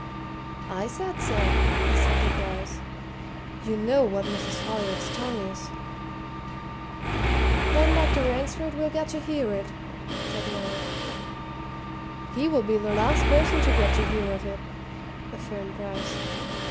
"I said so," assented Bryce. "You know what Mrs. Folliot's tongue is." "Then Dr. Ransford will get to hear of it," said Mary. "He will be the last person to get to hear of it," affirmed Bryce.